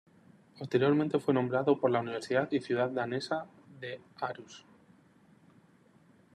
Posteriormente fue nombrado por la universidad y ciudad danesa de Aarhus.